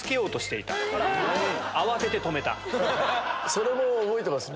それも覚えてます。